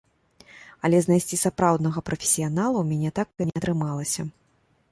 Але знайсці сапраўднага прафесіянала ў мяне так і не атрымалася.